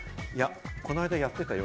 この間やってたよ？